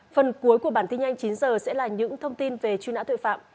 phần cuối của bản tin nhanh chín h sẽ là những thông tin về truy nã tội phạm